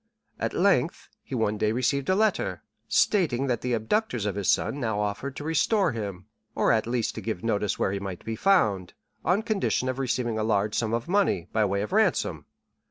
At length, he one day received a letter, stating that the abductors of his son now offered to restore him, or at least to give notice where he might be found, on condition of receiving a large sum of money, by way of ransom.